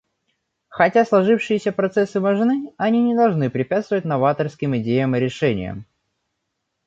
Хотя сложившиеся процессы важны, они не должны препятствовать новаторским идеям и решениям.